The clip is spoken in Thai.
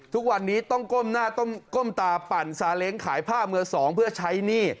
ทุกวันนี้ต้องก้มหน้าก้มตาปั่นซาเล้งขายผ้ามือสองเพื่อใช้หนี้